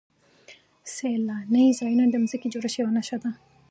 سیلاني ځایونه د ځمکې د جوړښت یوه نښه ده.